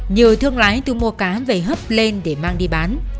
nhờ thương lái tư mua cá về hấp lên để mang đi bán